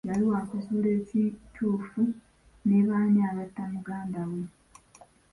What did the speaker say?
Yali wakuzuula ekituufu ne b'ani abatta muganda we.